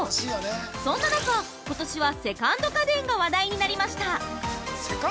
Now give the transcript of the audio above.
そんな中、ことしはセカンド家電が話題になりました。